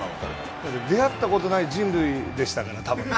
出会ったことない人類でしたから、多分。